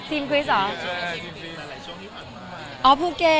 ใช่ทีมคลิสมาหลายช่วงที่ผ่านมา